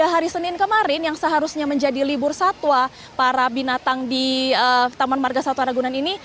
hari senin kemarin yang seharusnya menjadi libur satwa para binatang di taman marga satwa ragunan ini